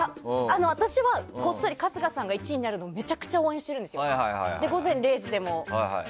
私は、こっそり春日さんが１位になるのをめちゃくちゃ応援してるんです。